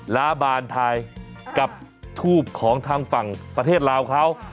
ล้าบานไทยกับทูบของทางฝั่งประเทศลาวเขา